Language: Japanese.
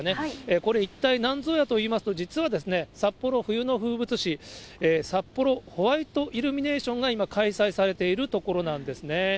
これ、一体なんぞやといいますと、実は、札幌冬の風物詩、さっぽろホワイトイルミネーションが今、開催されているところなんですね。